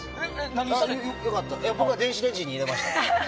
僕は電子レンジに入れました。